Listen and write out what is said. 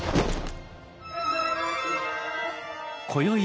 こよい